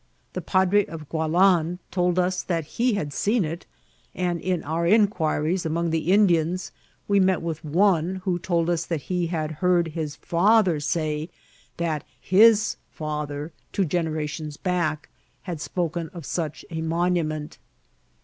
The padre of Gualan told us that he had seen it, and in our inquiries among the Indians we met with one who told us that he had heard his father say that his father, two generations back, had spoken of such a monument. MIirOR MltBRIBt.